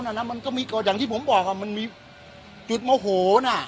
คนเราน่ะน่ะมันก็มีก็อย่างที่ผมบอกอ่ะมันมีจุดโมโหน่ะ